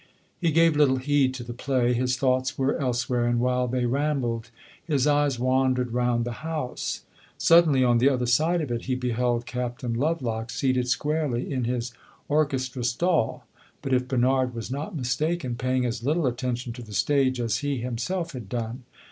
He gave little heed to the play; his thoughts were elsewhere, and, while they rambled, his eyes wandered round the house. Suddenly, on the other side of it, he beheld Captain Lovelock, seated squarely in his orchestra stall, but, if Bernard was not mistaken, paying as little attention to the stage as he himself had done.